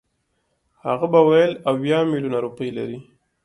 هغه به ویل اویا میلیونه روپۍ لري.